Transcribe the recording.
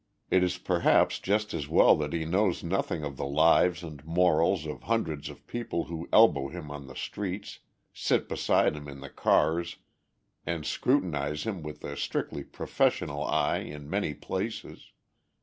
It is perhaps just as well that he knows nothing of the lives and morals of hundreds of people who elbow him on the streets, sit beside him in the cars, and scrutinize him with a strictly professional eye in many places.